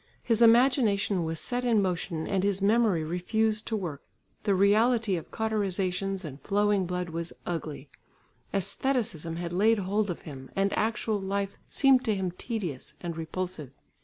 His imagination was set in motion and his memory refused to work; the reality of cauterisations and flowing blood was ugly; æstheticism had laid hold of him, and actual life seemed to him tedious and repulsive.